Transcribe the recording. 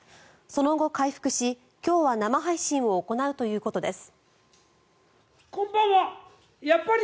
その後、回復し今日は生配信を行うということです。